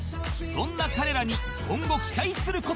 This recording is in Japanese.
そんな彼らに今後期待する事は？